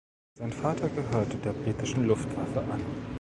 Sein Vater gehörte der britischen Luftwaffe an.